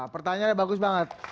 pertanyaannya bagus banget